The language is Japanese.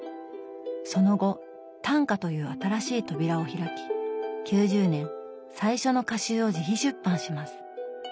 その後「短歌」という新しい扉を開き９０年最初の歌集を自費出版します。